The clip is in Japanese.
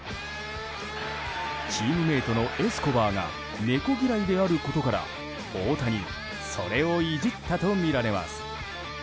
チームメートのエスコバーが猫嫌いであることから大谷、それをいじったとみられます。